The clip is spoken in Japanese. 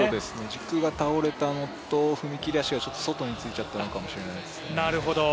軸が倒れたのと、踏み切り足が外についちゃったのかもしれないですね。